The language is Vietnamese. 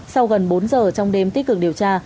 sau gần bốn giờ trong đêm tích cực điều tra